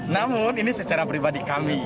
namun ini secara pribadi kami